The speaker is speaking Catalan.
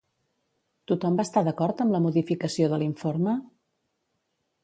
Tothom va estar d'acord amb la modificació de l'informe?